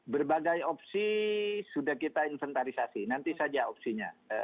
berbagai opsi sudah kita inventarisasi nanti saja opsinya